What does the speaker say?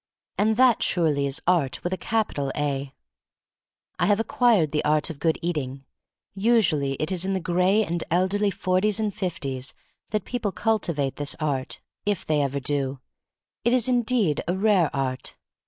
And that surely is art with a capital "A." I have acquired the art of Good Eat ing. Usually it is in the gray and elderly forties and fifties that people cultivate this art — if they ever do; it is indeed a rare art.